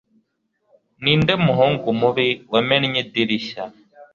Ninde muhungu mubi wamennye idirishya